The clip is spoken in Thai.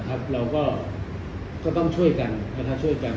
เราก็ต้องช่วยกันบริพัทธิ์ช่วยกัน